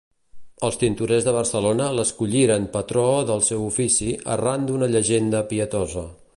Els tintorers de Barcelona l'escolliren patró del seu ofici arran d'una llegenda pietosa.